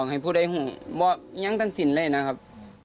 ไม่ได้ครับ